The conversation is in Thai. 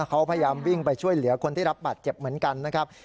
เขาพยายามวิ่งไปช่วยเหลือคนที่รับบาดเจ็บเหมือนกันนะครับ